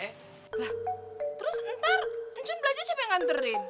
terus ntar njun belajar siapa yang nganterin